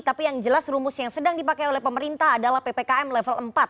tapi yang jelas rumus yang sedang dipakai oleh pemerintah adalah ppkm level empat